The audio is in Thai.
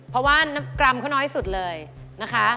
เพราะว่าน้ำกรำเขาน้อยสุดเลยนะคะ